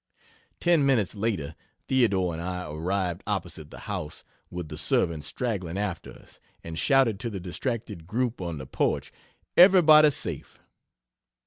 Ten minutes later Theodore and I arrived opposite the house, with the servants straggling after us, and shouted to the distracted group on the porch, "Everybody safe!"